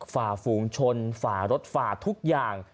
ฝ่าฝูงชนฝารถฝ่าทุกอย่าง